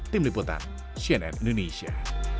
tim liputan cnn indonesia